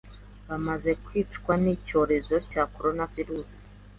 bamaze kwicwa n'iki cyorezo cya coronavirus